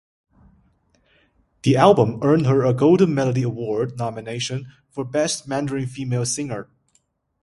The album earned her a Golden Melody Award nomination for Best Mandarin Female Singer.